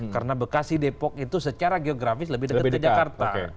karena bekasi depok itu secara geografis lebih dekat ke jakarta